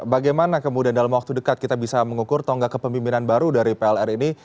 bagaimana kemudian dalam waktu dekat kita bisa mengukur tonggak kepemimpinan baru dari pln ini